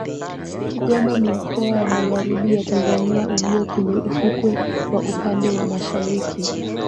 Kigoma ni mkoa wa Magharibi ya Tanzania ulio kwenye ufukwe wa upande wa Mashariki